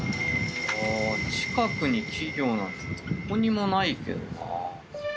近くに企業なんてどこにもないけどな。